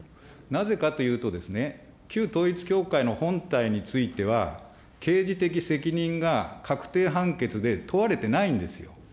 なぜかというとですね、旧統一教会の本体については、刑事的責任が確定判決で問われてないんですよ。